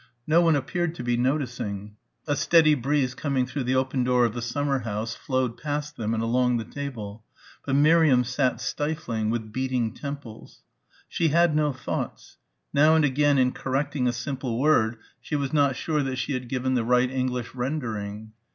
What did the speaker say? No one appeared to be noticing. A steady breeze coming through the open door of the summer house flowed past them and along the table, but Miriam sat stifling, with beating temples. She had no thoughts. Now and again in correcting a simple word she was not sure that she had given the right English rendering.